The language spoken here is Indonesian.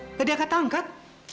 dari tadi angkat angkat